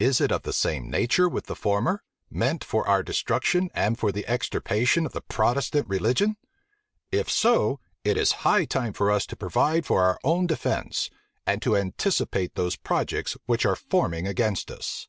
Is it of the same nature with the former; meant for our destruction, and for the extirpation of the Protestant religion? If so, it is high time for us to provide for our own defence, and to anticipate those projects which are forming against us.